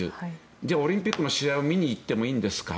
で、オリンピックの試合を見に行ってもいいんですか？